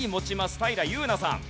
平祐奈さん。